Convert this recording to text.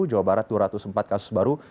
jawa barat dua ratus empat kasus baru